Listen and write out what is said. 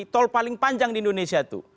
tol paling panjang di indonesia itu